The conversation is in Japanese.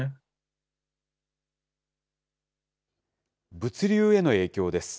物流への影響です。